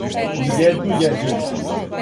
Ни једну једину.